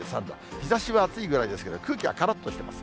日ざしは暑いぐらいですけど、空気はからっとしてます。